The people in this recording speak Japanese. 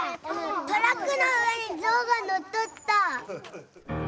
トラックの上に象がのっとった。